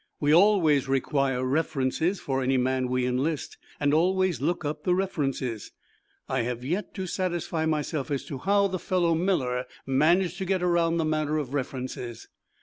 We always require references for any man we enlist, and always look up the references. I have yet to satisfy myself as to how the fellow Miller managed to get around the matter of references.